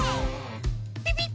ピピッ！